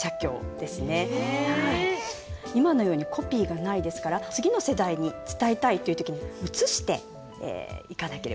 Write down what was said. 今のようにコピーがないですから次の世代に伝えたいという時に写していかなければいけないんですね。